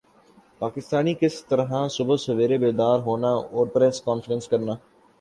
پاکستانی کَیا طرح صبح سویرے بیدار ہونا اور پریس کانفرنس کرنا